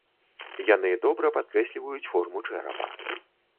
Яны добра падкрэсліваюць форму чэрапа.